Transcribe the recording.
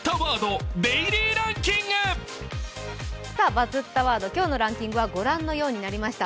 バズったワード、今日のランキングはご覧のようになりました。